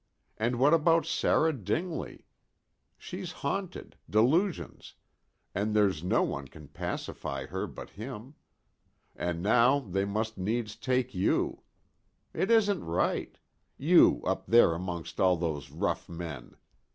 And what about Sarah Dingley? She's haunted delusions and there's no one can pacify her but him. And now they must needs take you. It isn't right. You up there amongst all those rough men.